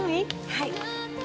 はい。